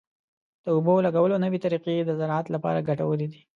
د اوبو لګولو نوې طریقې د زراعت لپاره ګټورې دي.